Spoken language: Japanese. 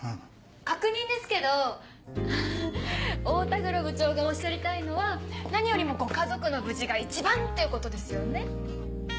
確認ですけど太田黒部長がおっしゃりたいのは何よりもご家族の無事が一番っていうことですよね？